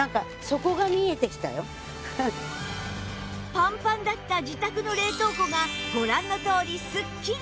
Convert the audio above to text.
パンパンだった自宅の冷凍庫がご覧のとおりスッキリ！